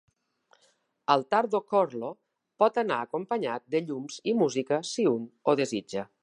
El Thardo Khorlo pot anar acompanyat de llums i música si un ho desitja.